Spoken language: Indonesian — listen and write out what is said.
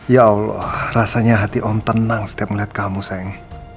ya allah rasanya hati om tenang setiap melihat kamu sayang